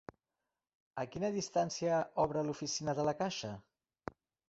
A quina distància obre l'oficina de la Caixa?